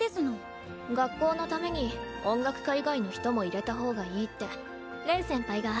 学校のために音楽科以外の人も入れた方がいいって恋先輩が。